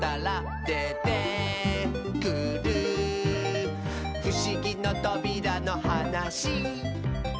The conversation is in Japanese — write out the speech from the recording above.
「でてくるふしぎのとびらのはなし」